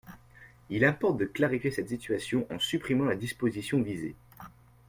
Il importe de clarifier cette situation en supprimant la disposition visée.